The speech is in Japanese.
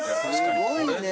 すごいね。